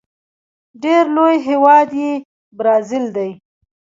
ډیر لوی هیواد یې برازيل دی.